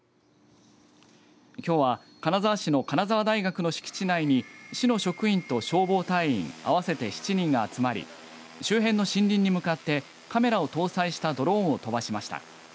きょうは金沢市の金沢大学の敷地内に市の職員と消防隊員、合わせて７人が集まり周辺の森林に向かってカメラを搭載したドローンを飛ばしました。